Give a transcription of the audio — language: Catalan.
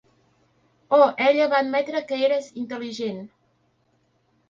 Oh, ella va admetre que eres intel·ligent!